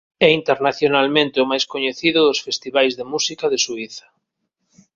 É internacionalmente o máis coñecido dos festivais de música de Suíza.